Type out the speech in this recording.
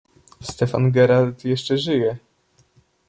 "Stefan Gerard jeszcze żyje!"